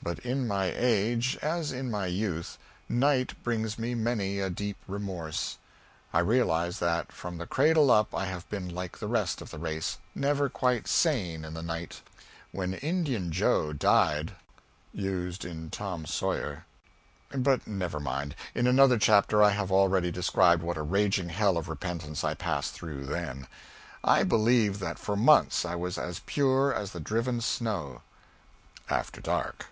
But in my age, as in my youth, night brings me many a deep remorse. I realize that from the cradle up I have been like the rest of the race never quite sane in the night. When "Injun Joe" died. ... But never mind: in another chapter I have already described what a raging hell of repentance I passed through then. I believe that for months I was as pure as the driven snow. After dark.